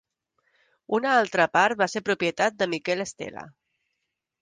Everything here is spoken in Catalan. Una altra part va ser propietat de Miquel Estela.